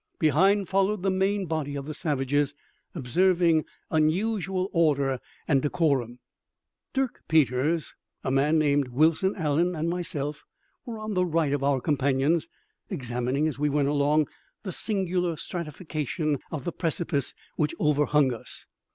Behind followed the main body of the savages, observing unusual order and decorum. Dirk Peters, a man named Wilson Allen, and myself were on the right of our companions, examining, as we went along, the singular stratification of the precipice which overhung us.